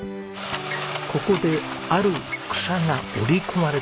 ここである草が織り込まれています。